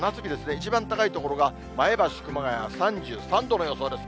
一番高い所が前橋、熊谷、３３度の予想です。